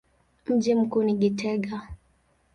Mji mkuu ni Gitega.